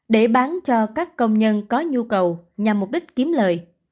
để bán cho các công nhân có nhu cầu nhằm mục đích kiếm lời